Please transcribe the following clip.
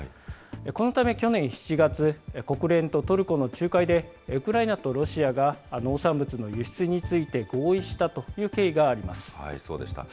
このため去年７月、国連とトルコの仲介で、ウクライナとロシアが農産物の輸出について合意したという経緯がそうでした。